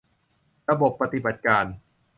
ระบบปฏิบัติการ